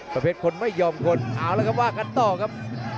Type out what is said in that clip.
ประเภทคนไม่ยอมคนเอาละครับว่ากันต่อครับ